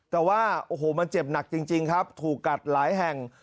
แต่ว่าโอ้โหมันเจ็บหนักจริงครับถูกกัดหลายแห่ง